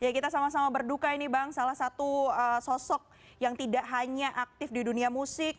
kita sama sama berduka ini bang salah satu sosok yang tidak hanya aktif di dunia musik